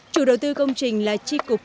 chủ đầu tư công trình là chi cục